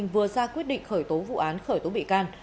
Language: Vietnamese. vừa ra quyết định khởi tố vụ án khởi tố bị can